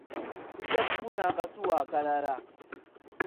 Tujja kufuna akasuwa akalala.